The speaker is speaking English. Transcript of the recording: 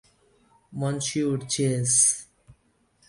Monsieur chasse!